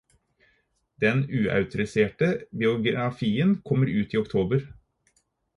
Den uautoriserte biografien kommer ut i oktober.